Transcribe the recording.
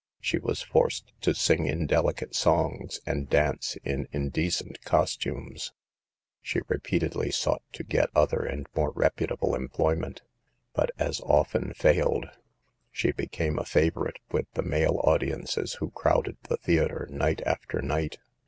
She was forced to sing indelicate songs, and dance in indecent costumes. She repeatedly sought to get other and more reputable employment, but as often failed. She became a favorite with the male audiences who crowded the theater night after night.